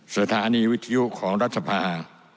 สถานีวิทยุของรัฐภา